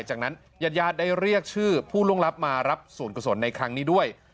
จากนั้นญาติญาติได้เรียกชื่อผู้ล่วงลับมารับส่วนกุศลในครั้งนี้ด้วย